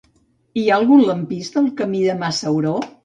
Hi ha algun lampista al camí del Mas Sauró?